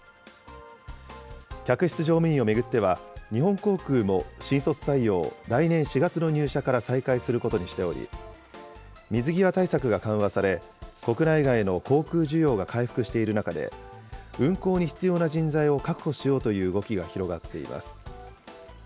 客室乗務員を巡っては、日本航空も新卒採用を来年４月の入社から再開することにしており、水際対策が緩和され、国内外の航空需要が回復している中で、運航に必要な人材を確保しようという動きが広がっています。